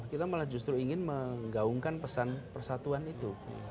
kita malah justru ingin menggaungkan pesan persatuan itu